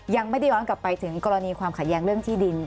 ยังไม่ได้ย้อนกลับไปถึงกรณีความขัดแย้งเรื่องที่ดิน